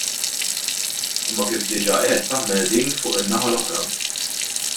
Imma kif diġà għedt aħna qegħdin fuq in-naħa l-oħra.